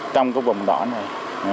trong vùng đỏ này